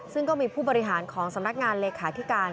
ซึ่งก็มีผู้บริหารของสำนักงานเลขาธิการ